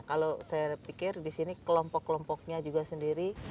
kalau saya pikir di sini kelompok kelompoknya juga sendiri